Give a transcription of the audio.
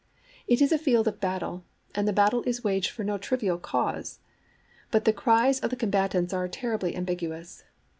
It is a field of battle; and the battle is waged for no trivial cause; but the cries of the combatants are terribly ambiguous.